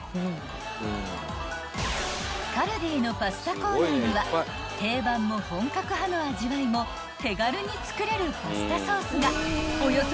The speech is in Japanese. ［カルディのパスタコーナーには定番も本格派の味わいも手軽に作れるパスタソースが］